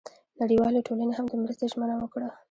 نړیوالې ټولنې هم د مرستې ژمنه وکړه.